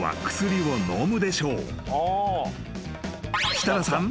［設楽さん。